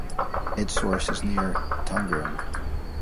Its source is near Tongeren.